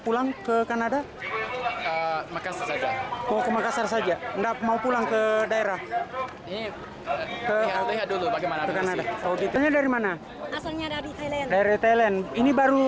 pulang ke kanada maka saja mau pulang ke daerah dulu bagaimana dari mana dari thailand ini baru